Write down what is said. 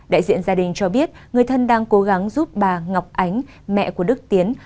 đại diện gia đình cho biết người thân đang cố gắng giúp bà ngọc ánh mẹ của đức tiến